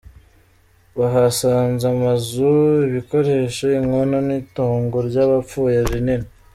Bahasanze amazu, ibikoresho, inkono n’itongo ry’abapfuye rinini.